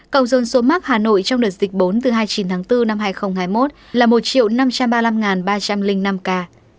cộng dân số mắc hà nội trong đợt dịch bốn từ hai mươi chín tháng bốn năm hai nghìn hai mươi một là một năm trăm ba mươi năm ba trăm linh năm ca